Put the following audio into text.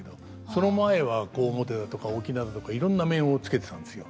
その前は小面だとか翁だとかいろんな面をつけてたんですよ。